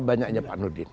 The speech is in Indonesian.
banyaknya pak nurudin